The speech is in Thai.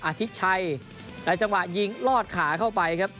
ทิศชัยในจังหวะยิงลอดขาเข้าไปครับ